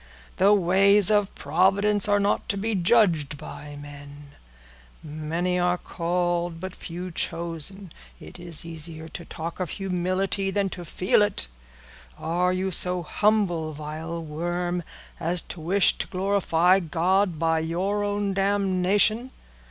The ways of Providence are not to be judged by men—'Many are called, but few chosen.' It is easier to talk of humility than to feel it. Are you so humble, vile worm, as to wish to glorify God by your own damnation?